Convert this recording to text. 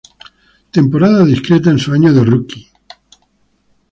Temporada discreta en su año de rookie.